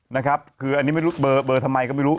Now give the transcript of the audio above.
นะครับคืออันนี้ไม่รู้เบอร์ทำไมก็ไม่รู้